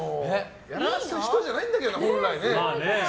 やらせる人じゃないんだけどね本来ね。